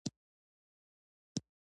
غونډ، قوم او ځینې خاطرې یې جملې ولیکم.